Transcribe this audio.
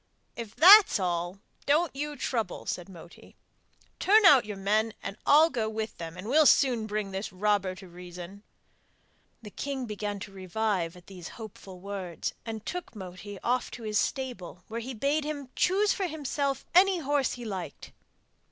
'If that is all, don't you trouble,' said Moti. 'Turn out your men, and I'll go with them, and we'll soon bring this robber to reason.' The king began to revive at these hopeful words, and took Moti off to his stable where he bade him choose for himself any horse he liked.